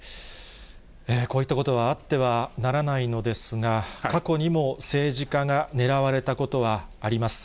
こういったことはあってはならないのですが、過去にも政治家が狙われたことはあります。